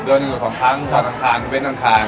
เดือนหยุด๒ครั้งวันอังคารเว้นอังคาร